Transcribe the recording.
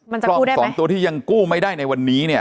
มันจะกู้ได้ไหมกล้องสองตัวที่ยังกู้ไม่ได้ในวันนี้เนี่ย